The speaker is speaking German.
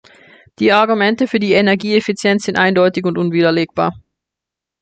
Die Argumente für die Energieeffizienz sind eindeutig und unwiderlegbar.